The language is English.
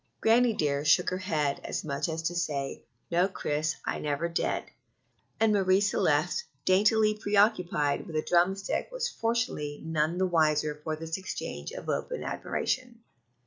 "Granny dear" shook her head as much as to say, "No, Chris, I never did;" and Marie Celeste, daintily preoccupied with a drum stick, was fortunately none the wiser for this exchange of open admiration.